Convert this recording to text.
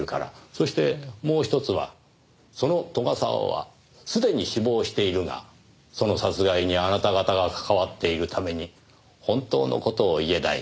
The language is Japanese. そしてもう一つはその斗ヶ沢はすでに死亡しているがその殺害にあなた方が関わっているために本当の事を言えないから。